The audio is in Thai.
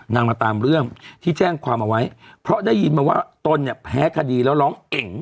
มาตามเรื่องที่แจ้งความเอาไว้เพราะได้ยินมาว่าตนเนี่ยแพ้คดีแล้วร้องเก่ง